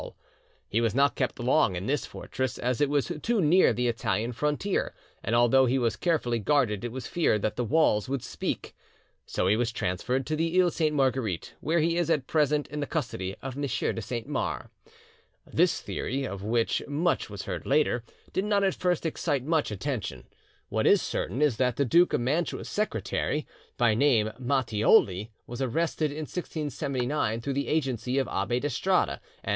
He was not kept long in this fortress, as it was 'too near the Italian frontier, and although he was carefully guarded it was feared that the walls would speak'; so he was transferred to the Iles Sainte Marguerite, where he is at present in the custody of M. de Saint Mars. This theory, of which much was heard later, did not at first excite much attention. What is certain is that the Duke of Mantua's secretary, by name Matthioli, was arrested in 1679 through the agency of Abbe d'Estrade and M.